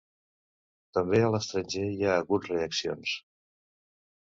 També a l’estranger hi ha hagut reaccions.